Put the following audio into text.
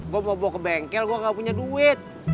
gue mau bawa ke bengkel gue gak punya duit